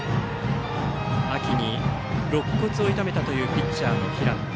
秋にろっ骨を痛めたというピッチャーの平野。